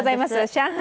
上海